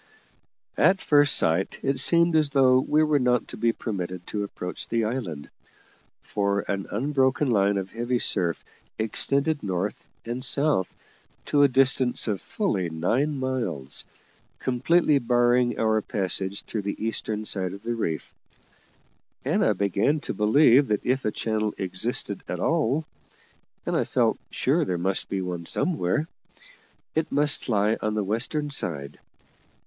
At first sight it seemed as though we were not to be permitted to approach the island, for an unbroken line of heavy surf extended north and south to a distance of fully nine miles, completely barring our passing through the eastern side of the reef; and I began to believe that if a channel existed at all (and I felt sure there must be one somewhere), it must lie on the western side.